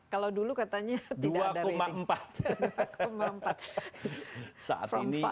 kalau dulu katanya tidak ada rating